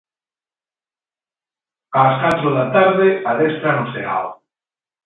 Ás catro da tarde adestra no Ceao.